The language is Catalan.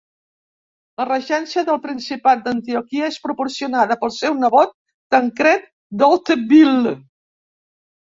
La regència del principat d'Antioquia és proporcionada pel seu nebot Tancred d'Hauteville.